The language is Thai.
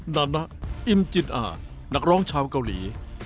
นานะอิมจิตอานักร้องชาวเกาหลี